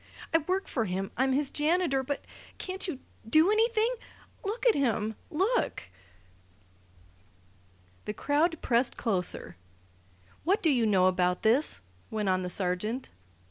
"I work for him. I'm his janitor. But can't you do anything? Look at him! Look!" The crowd pressed closer. "What do you know about this?" went on the sergeant.